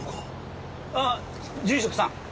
あっ住職さん。